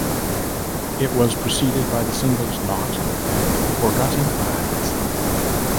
It was preceded by the singles "Not" and "Forgotten Eyes".